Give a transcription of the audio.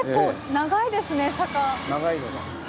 長いです。